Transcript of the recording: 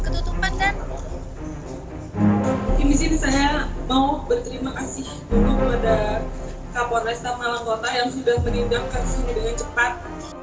di sini saya mau berterima kasih untuk kepada kapol restor malang kota yang sudah menindamkan sini dengan cepat